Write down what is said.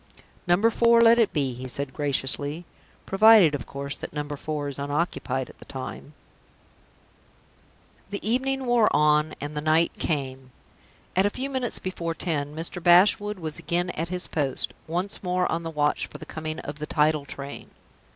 "Number Four let it be," he said, graciously. "Provided, of course, that Number Four is unoccupied at the time." The evening wore on, and the night came. At a few minutes before ten, Mr. Bashwood was again at his post, once more on the watch for the coming of the tidal train.